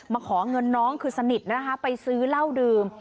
ขอเงินน้องคือสนิทนะคะไปซื้อเหล้าดื่ม